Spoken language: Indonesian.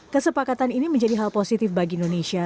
kesepakatan ini menjadi hal positif bagi indonesia